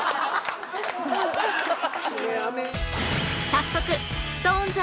早速 ＳｉｘＴＯＮＥＳ